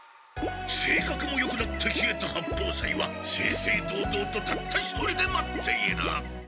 せいかくもよくなった稗田八方斎は正々堂々とたった一人で待っている。